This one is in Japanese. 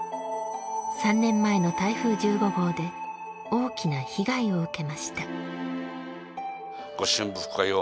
３年前の台風１５号で大きな被害を受けました。